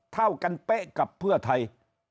เท่ากันเป๊ะกับเพื่อไทย